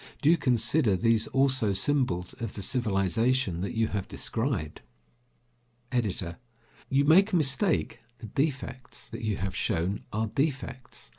Do you consider these also symbols of the civilization that you have described? EDITOR: You make a mistake. The defects that you have shown are defects.